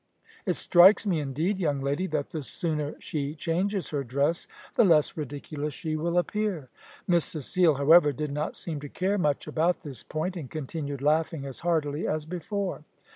"It strikes me indeed, young lady, that the sooner she changes her dress, the less ridiculous she will appear." Miss Cecile, however, did not seem to care much about this point, and continued laughing as heartily as before.